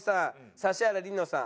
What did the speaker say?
指原莉乃さん